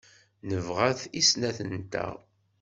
Nebɣa-t i snat-nteɣ.